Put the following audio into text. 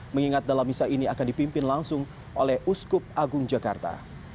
mengingat dalam misa ini akan dipimpin langsung oleh uskup agung jakarta